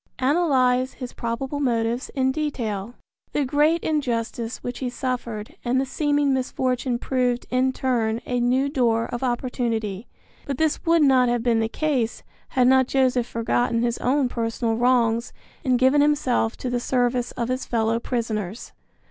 Analyze his probable motives in detail. The great injustice which he suffered and the seeming misfortune proved in turn a new door of opportunity, but this would not have been the case had not Joseph forgotten his own personal wrongs and given himself to the service of his fellow prisoners.